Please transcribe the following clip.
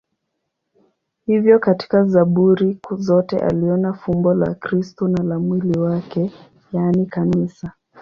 Hivyo katika Zaburi zote aliona fumbo la Kristo na la mwili wake, yaani Kanisa.